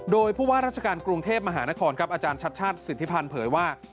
โดยผู้ว่าราชการกรุงเทพมหานครครับอาจารย์ชัดชาติสิทธิพันธ์เผยว่า